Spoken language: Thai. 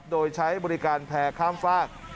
โดยใช้บริการแพร่ข้ามฝาก